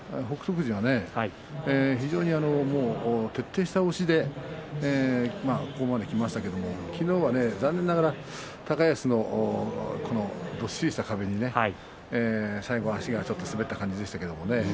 富士はね、非常に徹底した押しでここまできましたけれど昨日は残念ながら高安のどっしりとした壁に最後は足がちょっと滑った感じでしたね。